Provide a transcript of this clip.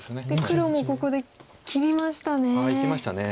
黒もここで切りましたね。